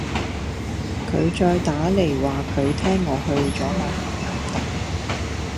佢再打黎話佢聽我去左賣咸鴨蛋